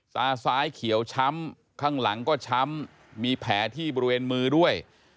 ตาซ้ายเขียวช้ำข้างหลังก็ช้ำมีแผลที่บริเวณมือด้วย